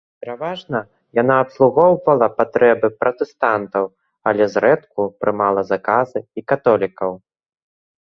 Пераважна яна абслугоўвала патрэбы пратэстантаў, але зрэдку прымала заказы і католікаў.